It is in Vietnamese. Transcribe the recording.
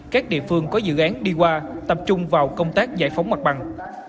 các địa phương có dự án đi qua tập trung vào công tác giải phóng mặt bằng